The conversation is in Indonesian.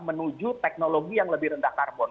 menuju teknologi yang lebih rendah karbon